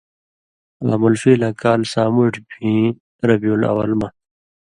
عام الفیلاں کال ساموٹھیۡ بِھیں(ربیع الاول) مہ